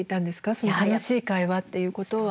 その楽しい会話っていうことは。